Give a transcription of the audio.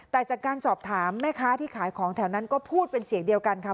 แต่จากการสอบถามแม่ค้าที่ขายของแถวนั้นก็พูดเป็นเสียงเดียวกันค่ะ